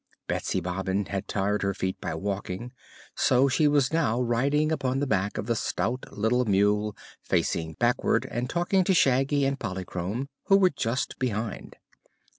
Betsy Bobbin had tired her feet by walking, so she was now riding upon the back of the stout little mule, facing backward and talking to Shaggy and Polychrome, who were just behind.